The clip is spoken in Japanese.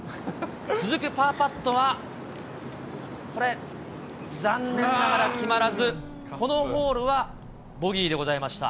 続くパーパットは、これ、残念ながら決まらず、このホールはボギーでございました。